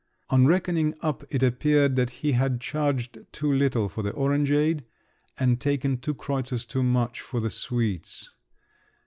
On reckoning up, it appeared that he had charged too little for the orangeade, and taken two kreutzers too much for the sweets.